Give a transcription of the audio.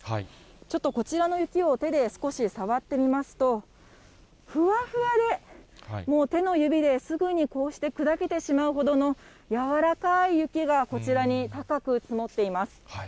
ちょっとこちらの雪を手で、少し触ってみますと、ふわふわで、もう手の指ですぐにこうして砕けてしまうほどの、柔らかい雪が、こちらに高く積もっています。